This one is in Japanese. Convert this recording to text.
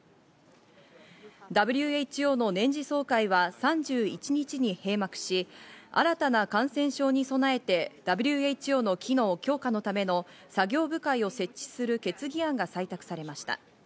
ＷＨＯの年次総会は３１日に閉幕し、新たな感染症に備えてＷＨＯの機能強化のための作業部会を設置する決議案が採択されました。